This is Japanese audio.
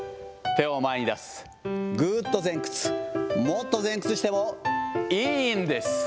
手を前に出す、ぐーっと前屈、もっと前屈しても、いいんです。